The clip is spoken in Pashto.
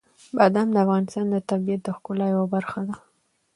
بادام د افغانستان د طبیعت د ښکلا یوه برخه ده.